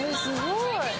「すごい！」